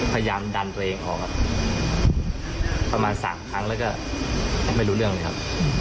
พยายามดันตัวเองออกครับประมาณ๓ครั้งแล้วก็ไม่รู้เรื่องเลยครับ